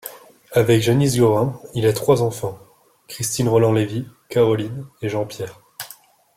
Avec Janice Gorin, il a trois enfants Christine Roland-Lévy, Caroline et Jean-Pierre.